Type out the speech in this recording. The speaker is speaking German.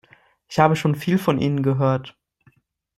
Ich habe schon viel von Ihnen gehört.